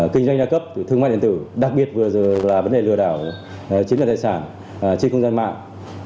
kinh doanh đa cấp thương mại điện tử đặc biệt vừa rồi là vấn đề lừa đảo chiếm đoạt tài sản trên không gian mạng